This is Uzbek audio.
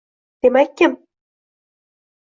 Demakkim